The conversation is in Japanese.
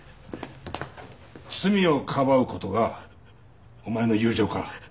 罪をかばう事がお前の友情か？